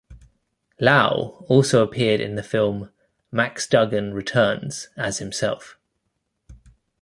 Lau also appeared in the film "Max Dugan Returns" as himself.